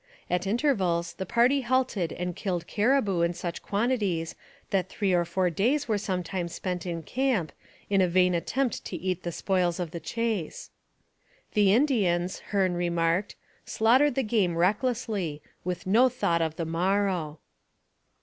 At intervals the party halted and killed caribou in such quantities that three and four days were sometimes spent in camp in a vain attempt to eat the spoils of the chase. The Indians, Hearne remarked, slaughtered the game recklessly, with no thought of the morrow.